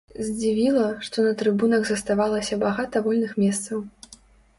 Здзівіла, што на трыбунах заставалася багата вольных месцаў.